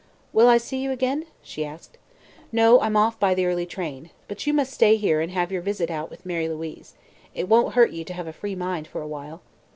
"Will I see you again?" she asked. "No; I'm off by the early train. But you must stay here and have your visit out with Mary Louise. It won't hurt you to have a free mind for awhile."